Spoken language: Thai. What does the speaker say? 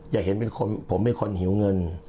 อยากเห็นเป็นคนผมเป็นคนหิวเงิน